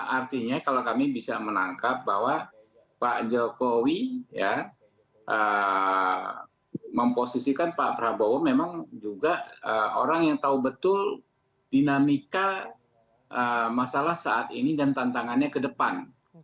artinya kalau kami bisa menangkap bahwa pak jokowi memposisikan pak prabowo memang juga orang yang tahu betul dinamika masalah saat ini dan tantangannya ke depan